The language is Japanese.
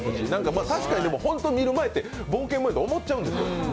確かに本当に見る前、冒険ものって思っちゃうんですよ。